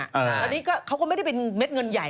อันนี้เขาก็ไม่ได้เป็นเม็ดเงินใหญ่